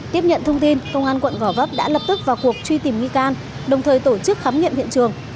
tiếp nhận thông tin công an quận gò vấp đã lập tức vào cuộc truy tìm nghi can đồng thời tổ chức khám nghiệm hiện trường